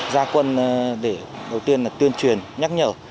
gia quân để đầu tiên là tuyên truyền nhắc nhở